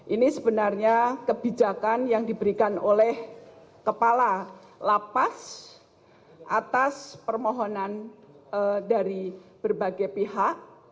ini sebenarnya kebijakan yang diberikan oleh kepala lapas atas permohonan dari berbagai pihak